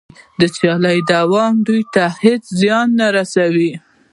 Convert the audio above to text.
د سیالۍ دوام دوی ته هېڅ زیان نه رسولو